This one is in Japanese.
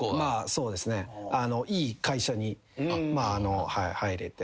そうですねいい会社に。